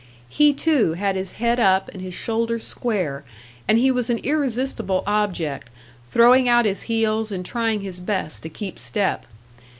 He too had his head up, and his shoulders square, and he was an irresistible object, throwing out his heels and trying his best to keep step.